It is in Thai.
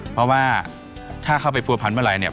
เพราะว่าถ้าเข้าไปภูมิพันธ์เมื่อไหร่